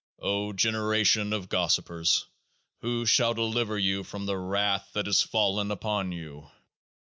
O generation of gossipers ! who shall deliver you from the Wrath that is fallen upon you?